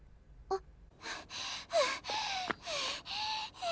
あっ！